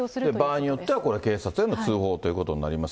場合によってはこれ、警察への通報ということになります。